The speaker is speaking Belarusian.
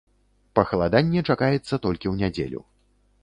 Пахаладанне чакаецца толькі ў нядзелю.